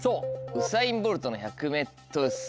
ウサイン・ボルトの１００ｍ走。